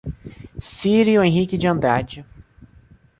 Cirio Henrique de Andrade